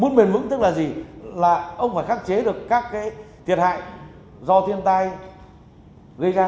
muốn bền vững tức là gì là ông phải khắc chế được các cái thiệt hại do thiên tai gây ra